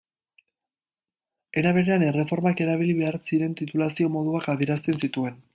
Era berean, erreformak, erabili behar ziren titulazio moduak adierazten zituen.